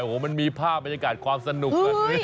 โอ้โหมันมีภาพบรรยากาศความสนุก